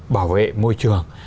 bảo vệ môi trường